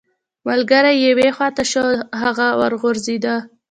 ملګری یې یوې خوا ته شو او هغه وغورځیده